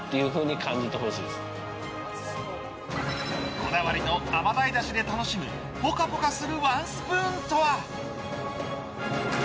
こだわりのアマダイだしで楽しむポカポカするワンスプーンとは？